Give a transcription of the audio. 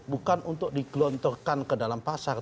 bukan untuk digelontorkan ke dalam pasar